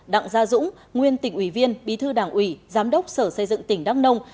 đặng gia dũng nguyên tỉnh ủy viên bí thư đảng ủy giám đốc sở xây dựng tỉnh đắk nông